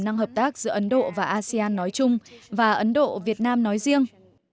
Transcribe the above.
năng hợp tác giữa ấn độ và asean nói chung và ấn độ việt nam nói riêng